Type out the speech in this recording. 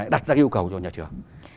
đặt ra yêu cầu cho nhà trường